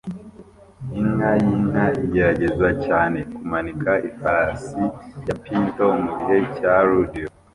Inka yinka igerageza cyane kumanika ifarashi ya pinto mugihe cya rodeo